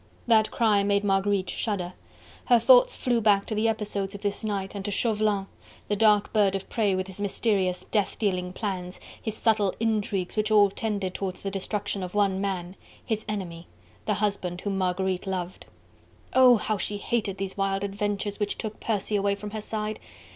That cry made Marguerite shudder: her thoughts flew back to the episodes of this night and to Chauvelin, the dark bird of prey with his mysterious death dealing plans, his subtle intrigues which all tended towards the destruction of one man: his enemy, the husband whom Marguerite loved. Oh! how she hated these wild adventures which took Percy away from her side.